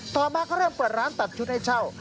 ต่อมาก็เริ่มเปิดร้านตัดชุดให้เช่า